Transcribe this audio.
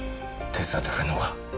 手伝ってくれんのか？